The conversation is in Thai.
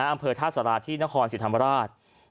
อำเภอท่าสระที่นครสิทธิ์ธรรมราช